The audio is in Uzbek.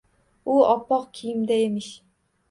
U oppoq kiyimda emish